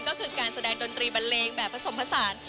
ก็คือการแสดงดนตรีบันเลงแบบผสมผสาน